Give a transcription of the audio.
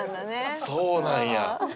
そうなんや。